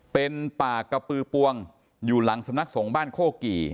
เป็นป่ากระปือปวงอยู่หลังสำนักสงฆ์บ้านโคกี่